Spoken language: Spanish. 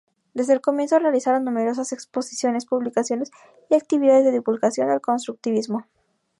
Desde el comienzo realizaron numerosas exposiciones, publicaciones y actividades de divulgación del constructivismo.